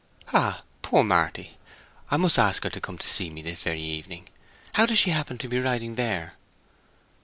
"Ah, poor Marty! I must ask her to come to see me this very evening. How does she happen to be riding there?"